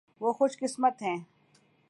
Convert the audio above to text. وہ خوش قسمت ہیں۔